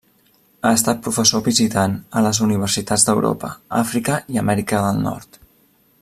Ha estat professor visitant a les universitats d'Europa, Àfrica i Amèrica del Nord.